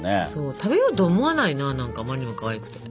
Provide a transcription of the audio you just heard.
食べようと思わないな何かあまりにもかわいくて。